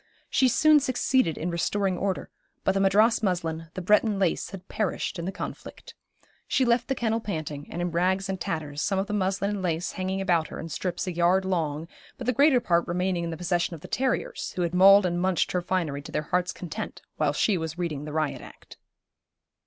She soon succeeded in restoring order, but the Madras muslin, the Breton lace had perished in the conflict. She left the kennel panting, and in rags and tatters, some of the muslin and lace hanging about her in strips a yard long, but the greater part remaining in the possession of the terriers, who had mauled and munched her finery to their hearts' content, while she was reading the Riot Act.